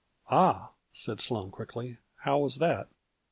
" Ah," said Sloane quickly," how was that